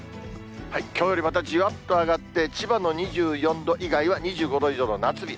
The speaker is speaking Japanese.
きょうよりまたじわっと上がって、千葉の２４度以外は２５度以上の夏日。